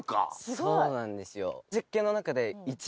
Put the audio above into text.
そうなんですよ。